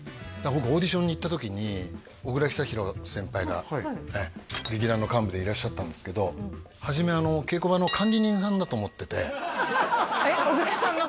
僕オーディションに行った時に小倉久寛先輩が劇団の幹部でいらっしゃったんですけど初めえっ小倉さんのことをですか？